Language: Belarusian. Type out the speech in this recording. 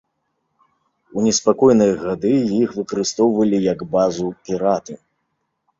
У неспакойныя гады іх выкарыстоўвалі як базу піраты.